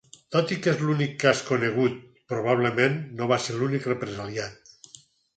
Tot i que és l'únic cas conegut, probablement no va ser l'únic represaliat.